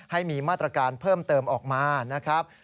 ให้มีมาตรการเพิ่มเติมออกมานะครับ